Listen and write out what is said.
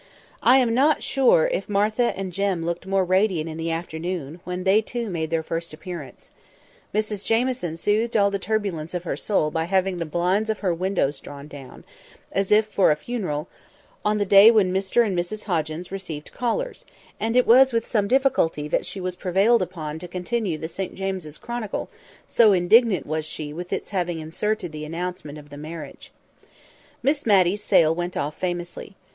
I am not sure if Martha and Jem looked more radiant in the afternoon, when they, too, made their first appearance. Mrs Jamieson soothed the turbulence of her soul by having the blinds of her windows drawn down, as if for a funeral, on the day when Mr and Mrs Hoggins received callers; and it was with some difficulty that she was prevailed upon to continue the St James's Chronicle, so indignant was she with its having inserted the announcement of the marriage. [Picture: Smiling glory ... and becoming blushes] Miss Matty's sale went off famously.